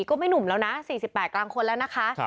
ก็ไม่หนุ่มแล้วนะสี่สิบแปดกลางคนแล้วนะคะ